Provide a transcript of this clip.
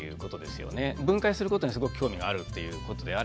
分解することにすごく興味があるっていうことであればね